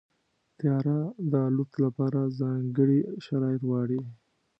طیاره د الوت لپاره ځانګړي شرایط غواړي.